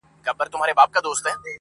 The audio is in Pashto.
ای د نشې د سمرقند او بُخارا لوري.